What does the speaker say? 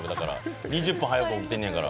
２０分早く起きてるんだから。